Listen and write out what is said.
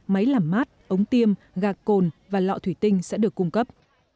máy làm mát ống tiêm gạc cồn và lọ thủy tinh sẽ được cung cấp